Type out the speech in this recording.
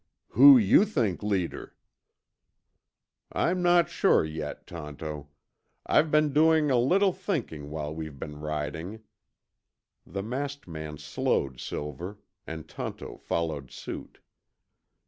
"Who you think leader?" "I'm not sure yet, Tonto. I've been doing a little thinking while we've been riding." The masked man slowed Silver, and Tonto followed suit.